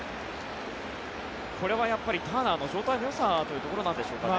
これはターナーの状態のよさというところなんでしょうかね。